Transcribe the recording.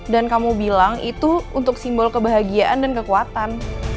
dan kamu bilang itu untuk simbol kebahagiaan dan kekuatan